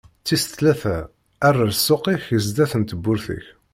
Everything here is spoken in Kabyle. Tis tlata: Err ssuq-ik sdat n tewwurt-ik.